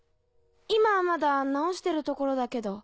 今はまだ直してるところだけど。